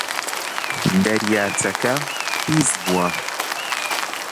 دەریاچەکە پیس بووە.